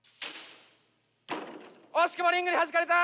惜しくもリングにはじかれた！